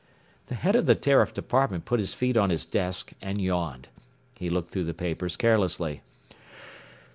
The head of the Tariff Department put his feet on his desk and yawned. He looked through the papers carelessly.